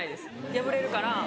破れるから。